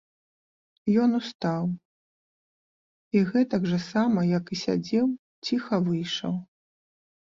Ён устаў і, гэтак жа сама як і сядзеў, ціха выйшаў.